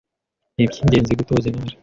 nibyingenzi Gutoza Intore